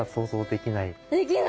できない。